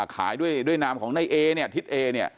ขายด้วยนามของในเอเนี่ยทิศเอเนี่ย